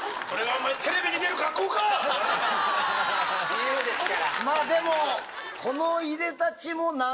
⁉自由ですから。